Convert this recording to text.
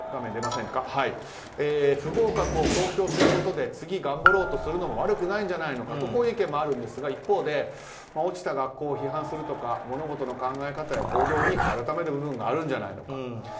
不合格を公表することで次頑張ろうとするのも悪くないんじゃないかとこういう意見もあるんですが一方で落ちた学校を批判するとか物事の考え方や行動に改める部分があるんじゃないのか。